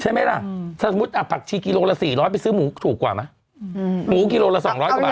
ใช่ไหมล่ะสมมุติผักชีกิโลละ๔๐๐ไปซื้อหมูถูกกว่าไหมหมูกิโลละ๒๐๐กว่าบาท